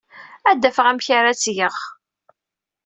Ad d-afeɣ amek ara tt-geɣ.